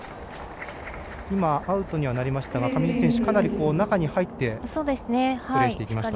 アウトにはなりましたが上地選手、かなり中に入ってプレーしていきました。